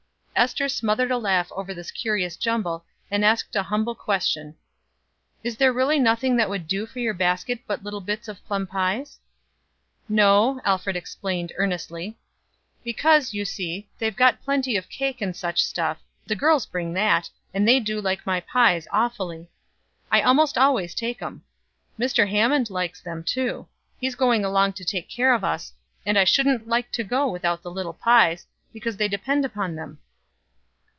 Ester smothered a laugh over this curious jumble, and asked a humble question: "Is there really nothing that would do for your basket but little bits of plum pies?" "No," Alfred explained, earnestly. "Because, you see, they've got plenty of cake and such stuff; the girls bring that, and they do like my pies, awfully. I most always take 'em. Mr. Hammond likes them, too; he's going along to take care of us, and I shouldn't like to go without the little pies, because they depend upon them."